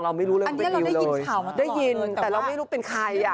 เราไม่รู้เรื่องเป็นดิวเลยได้ยินแต่เราไม่รู้เป็นใครอ่ะอันนี้เราได้ยินข่าวมาตลอดเลย